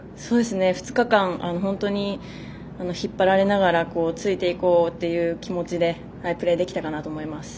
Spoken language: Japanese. ２日間、本当に引っ張られながらついていこうっていう気持ちでプレーできたかなって思います。